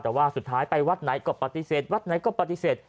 แต่ว่าสุดท้ายไปวัดไหนก็ปฏิเสธ